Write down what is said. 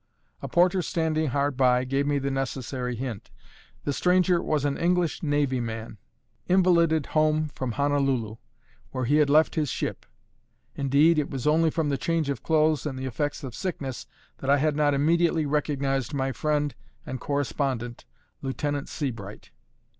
A porter standing hard by, gave me the necessary hint. The stranger was an English navy man, invalided home from Honolulu, where he had left his ship; indeed, it was only from the change of clothes and the effects of sickness, that I had not immediately recognised my friend and correspondent, Lieutenant Sebright.